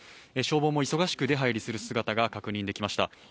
消防も忙しく出入りする姿も確認されました。